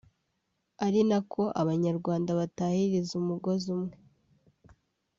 ari na ko abanyarwanda batahiriza umugozi umwe